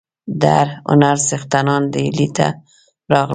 د هر هنر څښتنان ډهلي ته راغلل.